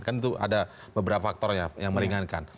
kan itu ada beberapa faktor ya yang meringankan